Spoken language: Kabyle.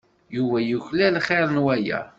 Yuba yuklal xir n waya.